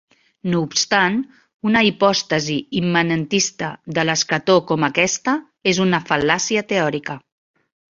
No obstant, una hipòstasi immanentista de l'escató com aquesta és una fal·làcia teòrica.